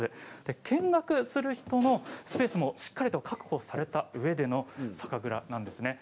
見学する人のスペースもしっかりと確保されたうえでの酒蔵なんです。